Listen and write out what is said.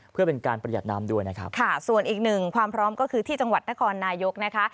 เพื่อเป็นการประหยัดน้ำด้วยนะครับค่ะส่วนอีกหนึ่งความพร้อมก็คือที่จังหวัดนครนายกนะคะ